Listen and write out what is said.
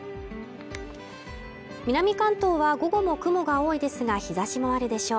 南関東は午後も雲が多いですが日差しもあるでしょう